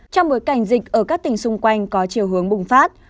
trong bối cảnh dịch ở các tỉnh xung quanh có chiều hướng bùng phát